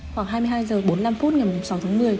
khoảng hai mươi hai h bốn mươi năm phút ngày sáu tháng một mươi